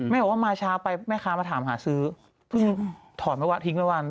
แม่บอกว่ามาช้าไปแม่ค้ามาถามหาซื้อถอนไปบ้างทิ้งไปบ้าง